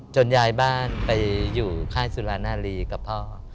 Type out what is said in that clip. ย้ายบ้านไปอยู่ค่ายสุรานาลีกับพ่อ